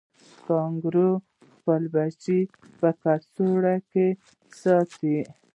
کانګارو خپل بچی په کڅوړه کې ساتي